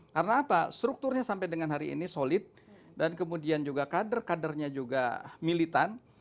karena apa strukturnya sampai dengan hari ini solid dan kemudian juga kader kadernya juga militan